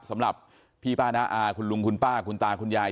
สำหรับพี่ป้าน้าอาคุณลุงคุณป้าคุณตาคุณยาย